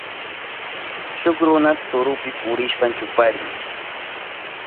Shuk runa turupi purishpan chuparin.